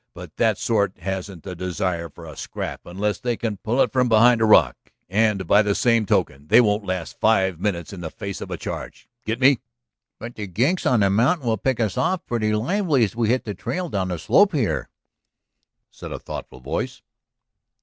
But that sort hasn't the desire for a scrap unless they can pull it from behind a rock. And, by the same token, they won't last five minutes in the face of a charge. Get me?" "But the ginks on the mountain will pick us off pretty lively as we hit the trail down the slope here," said a thoughtful voice.